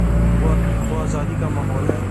وہ آزادی کا ماحول ہے۔